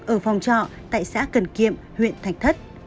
ở phòng trọ tại xã cần kiệm huyện thạch thất